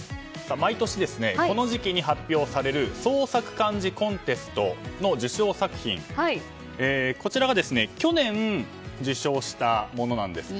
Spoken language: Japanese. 毎年、この時期に発表される創作漢字コンテストの受賞作品こちらが去年受賞したものなんですが。